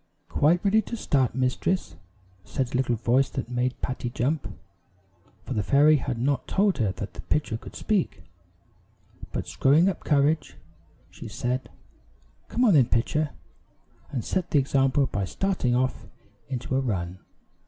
"Quite ready to start, mistress," said a little voice that made Patty jump, for the fairy had not told her that the pitcher could speak; but screwing up courage, she said: "Come on, then, Pitcher," and set the example by starting off into a run.